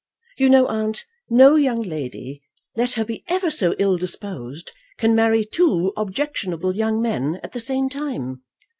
You know, aunt, no young lady, let her be ever so ill disposed, can marry two objectionable young men, at the same time."